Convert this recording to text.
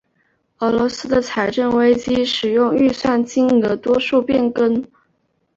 俄罗斯的财政危机使得预算金额多次变更。